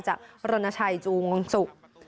จากรณชัยจูวงศุกร์